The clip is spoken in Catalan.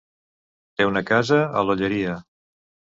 Té una casa a l'Olleria.